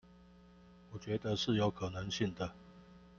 我覺得是有可能性的